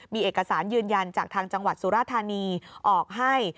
มีเอกสารยืนยันจากทางจังหวัดสุราธานีออกให้